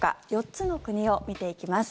４つの国を見ていきます。